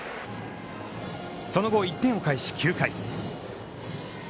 その後、１点を返し９回。